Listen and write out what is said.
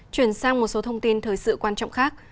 chuyển sang một số thông tin thời sự quan trọng khác